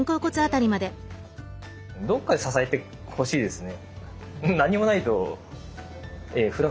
どっかで支えてほしいですね。